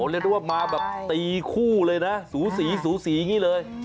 ผมเรียกว่ามาแบบตีคู่เลยนะสูสีอย่างนี้เลย